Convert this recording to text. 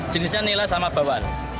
jenisnya nilai sama bawaan